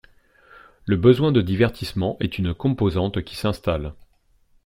Le besoin de divertissement est une composante qui s’installe.